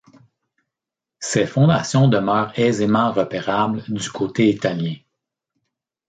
Ses fondations demeurent aisément repérables du côté italien.